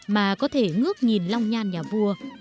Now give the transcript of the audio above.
mà có thể ngước nhìn long nhan nhà vua